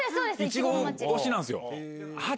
イチゴ推しなんですよ。